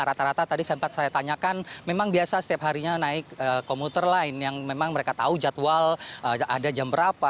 rata rata tadi sempat saya tanyakan memang biasa setiap harinya naik komuter lain yang memang mereka tahu jadwal ada jam berapa